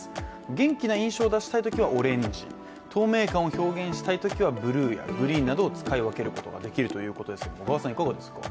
元気な印象を出したいときはオレンジ透明感を出したいときはブルーやグリーンを使い分けることができるということですが、小川さん、いかがですか？